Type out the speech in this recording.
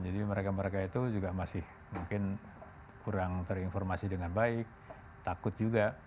jadi mereka mereka itu juga masih mungkin kurang terinformasi dengan baik takut juga